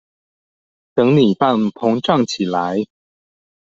等米飯膨脹起來